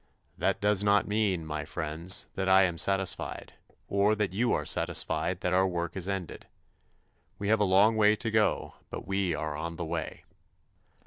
That does not mean, my friends, that I am satisfied, or that you are satisfied that our work is ended. We have a long way to go but we are on the way.